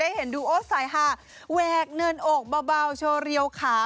เห็นดูโอ๊ตสายฮาแหวกเนินอกเบาโชว์เรียวขา